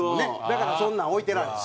だからそんなん置いてられへん。